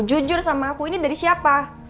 jujur sama aku ini dari siapa